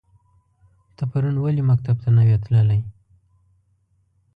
ته پرون ولی مکتب ته نه وی تللی؟